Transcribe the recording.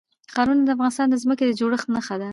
ښارونه د افغانستان د ځمکې د جوړښت نښه ده.